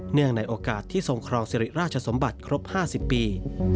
ในโอกาสที่ทรงครองสิริราชสมบัติครบ๕๐ปี